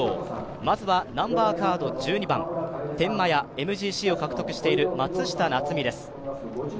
まずはナンバーカード１２番天満屋、ＭＧＣを獲得している松下菜摘です